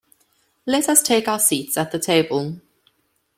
Let us take our seats at the table.